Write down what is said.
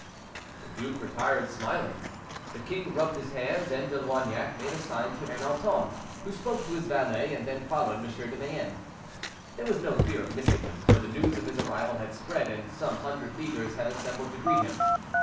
The duke retired, smiling. The king rubbed his hands, and De Loignac made a sign to Ernanton, who spoke to his valet, and then followed M. de Mayenne. There was no fear of missing him, for the news of his arrival had spread, and some hundred leaguers had assembled to greet him.